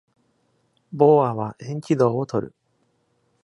ボーアは、円軌道をとる。